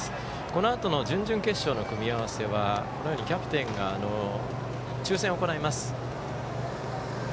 このあとの準々決勝の組み合わせはキャプテンが、抽せんを行います。